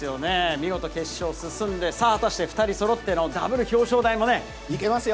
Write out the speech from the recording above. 見事、決勝進んで、さあ、果たして２人そろってのダブル表彰台もね。いけますよ。